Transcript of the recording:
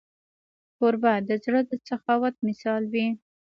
کوربه د زړه د سخاوت مثال وي.